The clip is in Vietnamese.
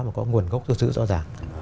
mà có nguồn gốc do sứ rõ ràng